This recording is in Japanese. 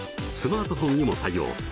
スマートフォンにも対応。